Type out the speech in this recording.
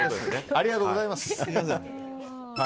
ありがとうございます。